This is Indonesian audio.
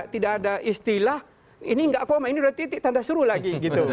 tidak ada istilah ini tidak apa apa ini sudah titik tanda seru lagi